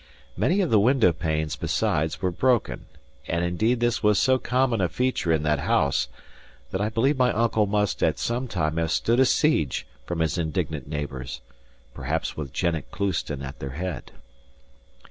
Many of the window panes, besides, were broken; and indeed this was so common a feature in that house, that I believe my uncle must at some time have stood a siege from his indignant neighbours perhaps with Jennet Clouston at their head.